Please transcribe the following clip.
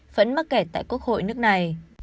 vẫn mắc kẹt tại quốc hội nước này